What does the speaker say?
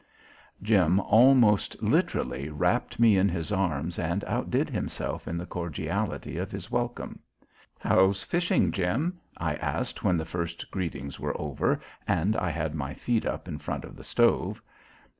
Jim almost literally wrapped me in his arms and outdid himself in the cordiality of his welcome. "How's fishing, Jim?" I asked when the first greetings were over and I had my feet up in front of the stove.